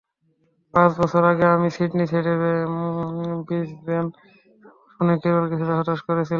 পাঁচ বছর আগে আমি সিডনি ছেড়ে ব্রিসবেন যাব শুনে ক্যারল কিছুটা হতাশ হয়েছিলেন।